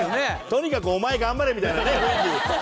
とにかくお前頑張れみたいなね雰囲気。